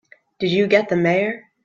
Did you get the Mayor?